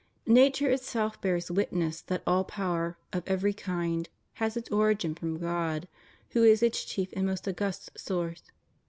Nature itself bears witness that all power, of every kind, has its origin from God, who is its chief and most august source.